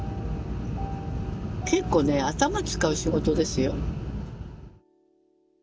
結構ね頭使う仕事ですよ。